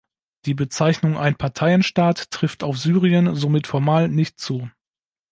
Die Bezeichnung "Einparteienstaat" trifft auf Syrien somit formal nicht zu.